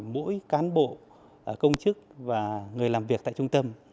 mỗi cán bộ công chức và người làm việc tại trung tâm